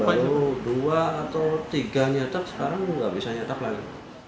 baru dua atau tiga nyetak sekarang nggak bisa nyetak lagi